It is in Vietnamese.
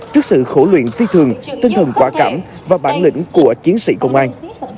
trước sự khổ luyện phi thường tinh thần quả cảm và bản lĩnh của chiến sĩ công an